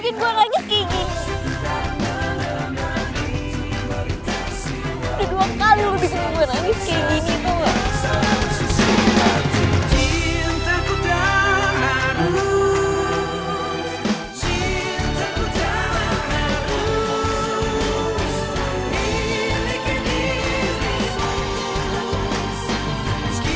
tapi lu kan ga perlu benteng benteng ke gue kayak tanyi